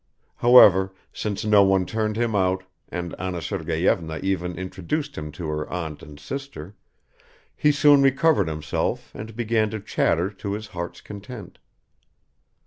However, since no one turned him out, and Anna Sergeyevna even introduced him to her aunt and sister, he soon recovered himself and began to chatter to his heart's content.